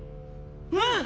うん！！